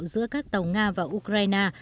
giữa các tàu nga và ukraine